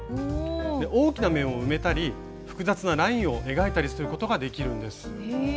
大きな面を埋めたり複雑なラインを描いたりすることができるんです。